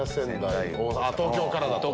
東京からだと。